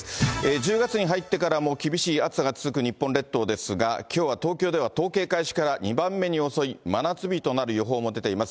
１０月に入ってからも厳しい暑さが続く日本列島ですが、きょうは東京では統計開始から２番目に遅い真夏日となる予報も出ています。